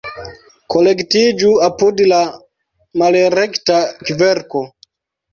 Kolektiĝu apud la malrekta kverko!